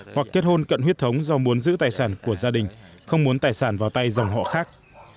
hoặc kết hôn cận huyết thống do muốn giữ tài sản của gia đình không muốn tài sản vào tay dòng họ khác